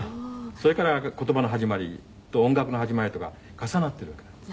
それから言葉の始まりと音楽の始まりとが重なってるわけなんです。